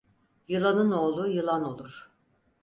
Yılanın oğlu yılan olur.